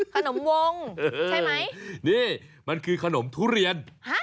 ขนมวงใช่ไหมนี่มันคือขนมทุเรียน